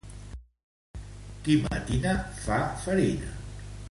Qui matina fa farina.